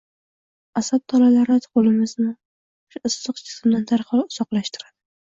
Asab tolalari qo’limizni o’sha issiq jismdan darhol uzoqlashtiradi.